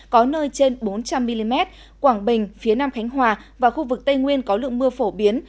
có nơi trên bốn trăm linh mm quảng bình phía nam khánh hòa và khu vực tây nguyên có lượng mưa phổ biến